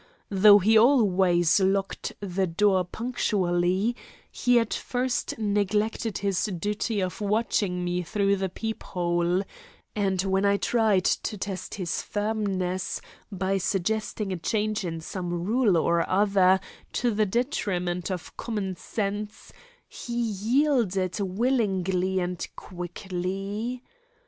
Though he always locked the door punctually, he at first neglected his duty of watching me through the peephole; and when I tried to test his firmness by suggesting a change in some rule or other to the detriment of common sense he yielded willingly and quickly.